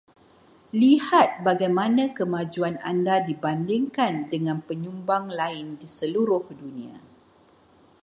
Lihat bagaimana kemajuan Anda dibandingkan dengan penyumbang lain di seluruh dunia.